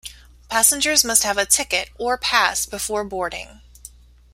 Passengers must have a ticket or pass before boarding.